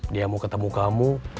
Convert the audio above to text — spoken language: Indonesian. dia mau ketemu kamu